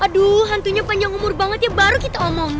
aduh hantunya panjang umur banget ya baru kita omong